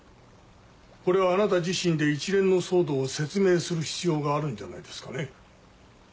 これはあなた自身で一連の騒動を説明する必要があるんじゃないですかね。